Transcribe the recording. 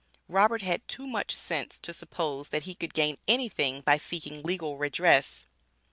Robert had too much sense to suppose that he could gain anything by seeking legal redress.